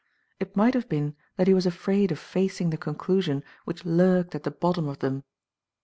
It might have been that he was afraid of facing the conclusion which lurked at the bottom of them.